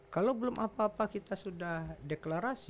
kalau belum apa apa kita sudah deklarasi